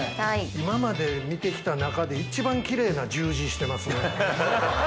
今まで見た来た中で一番キレイな十字してますね。